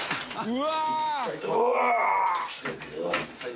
うわ！